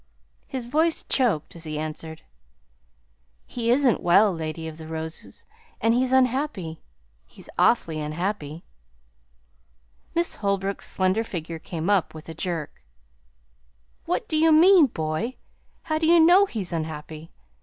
His voice choked as he answered. "He isn't well, Lady of the Roses, and he's unhappy. He's awfully unhappy." Miss Holbrook's slender figure came up with a jerk. "What do you mean, boy? How do you know he's unhappy?